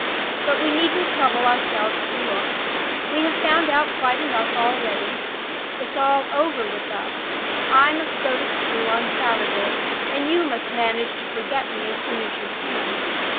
But we needn't trouble ourselves to look; we have found out quite enough already. It's all over with us. I must go to school on Saturday, and you must manage to forget me as soon as you can.